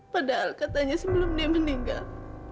padahal katanya sebelum dia meninggal